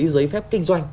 giấy phép kinh doanh